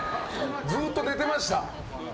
ずっと寝てました。